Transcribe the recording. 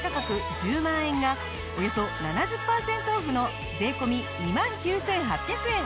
１０万円がおよそ７０パーセントオフの税込２万９８００円。